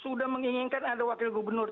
sudah menginginkan ada wakil gubernur